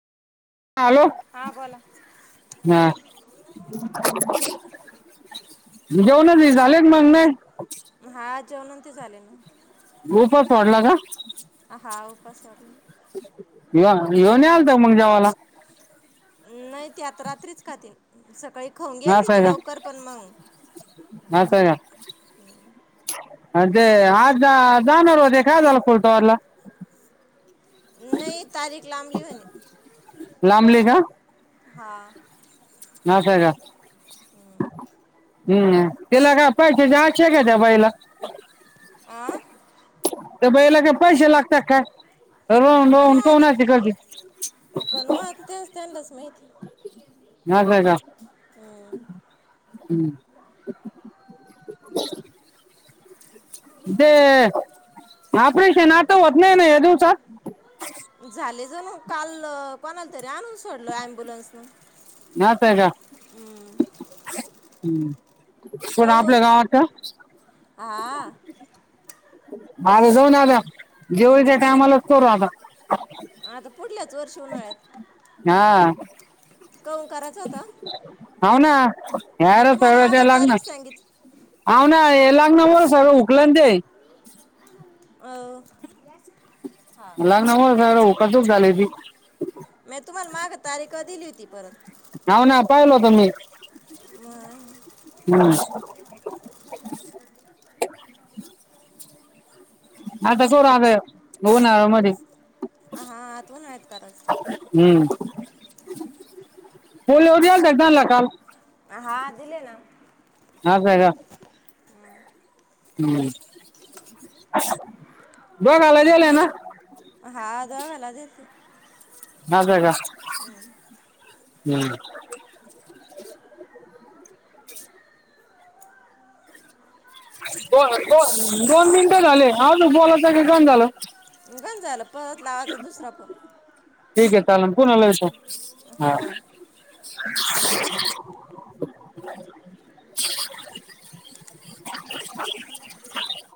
Hello हां बोला हा घेऊनच झालेत मग नाही. हा जेवण ते झाले. उपास सोडला का? हा उपास सोडला न या मग मुग जवाला नाही ते आता रात्रीच खातील सकाळी खाऊन घेलते ते लवकर पण मग. असाय. अन ते आज जा जाणार होते काय झालं फुलताबादला. नाही तारीख लाबली होणे. लांबली का? हा न सहे का हम्म हम्म तिला काय पाहिजे पैशे द्यायचे का त्या बाईला आ त्या बाईला का पैसे लागतात काय रोज रोज येती घरी कोन आते तेते त्यांनाच माहीती हा का का ह ते ऑपरेशन आता होत नाही ना या दिवसात झाले ज मग काल कोणाला तरी आणून. सोडल अम्ब्युलन्स न असं आहे हम्म हम्म कोण कहून आपल्या गावात हा आ माल जाऊन आता दिवाळीच्या टायमालाच करू आता. आता पुढल्याच वर्षी उन्हाळ्यात हा हो कराचं होत हाव ना [unintelligible] तुम्हाला मागं तारीख लागणार. सांगितली हा ना येलानं मुळं सगंळ उकलन ते अ [unintelligible] उकासक झालय ती म्या तुम्हाला माग तारीख दिली होती परत हाव ना पाहिल होत ना मी मग [unintelligible] आता सोड अग उन्हाळ्यामध्ये हा आता उन्हाळ्यात कराच- हम्म [unintelligible] झाला काल हा दिले ना हा बय हा [unintelligible] हम्म दोघाला देलय ना हा दोघाला दिलती. सांगाय जा हम्म दो दो दोन मिनिट झाले आजू बोलत्या का [unintelligible] झाल. गण झाला परत लावाचा दुसरा फोन ठीक ये चालनं पुन्हा लावितो. हो.